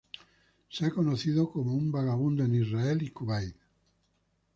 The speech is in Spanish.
Se ha conocido como un vagabundo en Israel y Kuwait.